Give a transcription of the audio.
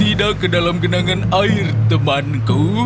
tidak ke dalam genangan air temanku